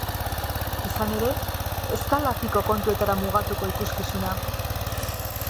Izan ere, ez da lapiko kontuetara mugatuko ikuskizuna.